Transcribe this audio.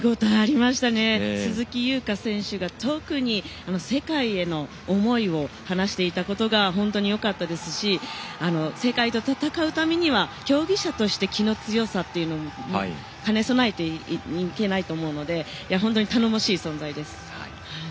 特に鈴木優花選手が世界への思いを話していたことが本当によかったですし世界と戦うためには競技者として気の強さも兼ね備えていかなきゃいけないと思うので頼もしい存在です。